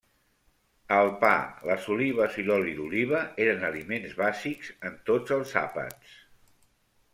El pa, les olives i l'oli d'oliva eren aliments bàsics en tots els àpats.